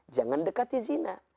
jangan dekati zina